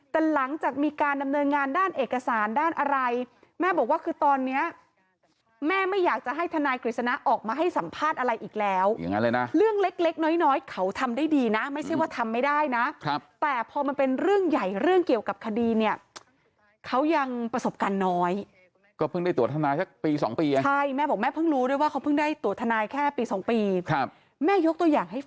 แต่หลังจากมีการดำเนินงานด้านเอกสารด้านอะไรแม่บอกว่าคือตอนนี้แม่ไม่อยากจะให้ทนายกฤษณะออกมาให้สัมภาษณ์อะไรอีกแล้วเรื่องเล็กน้อยเขาทำได้ดีนะไม่ใช่ว่าทำไม่ได้นะแต่พอมันเป็นเรื่องใหญ่เรื่องเกี่ยวกับคดีเนี่ยเขายังประสบการณ์น้อย